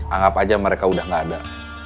anggap aja mereka udah gak ada